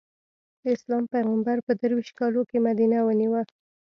د اسلام پېغمبر په درویشت کالو کې مدینه ونیو.